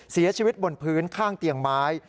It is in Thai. เสียชีวิตบนพื้นข้างเตียงไม้